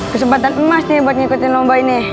kesempatan emas nih buat ngikutin lomba ini